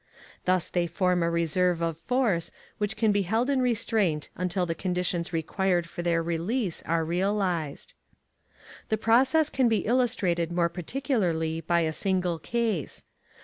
Thus they form a reserve of force, which can be held in restraint until the conditions required for their release are realized. The process can be illustrated more particularly by a single case.